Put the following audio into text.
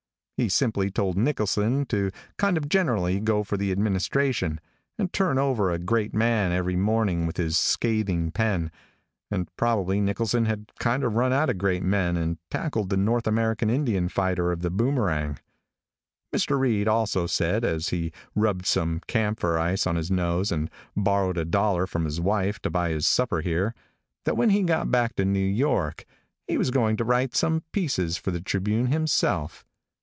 He simply told Nicholson to kind of generally go for the administration, and turn over a great man every morning with his scathing pen, and probably Nicholson had kind of run out of great men, and tackled the North American Indian fighter of The Boomerang. Mr. Reid also said, as he rubbed some camphor ice on his nose, and borrowed a dollar from his wife to buy his supper here, that when he got back to New York, he was going to write some pieces for the Tribune himself.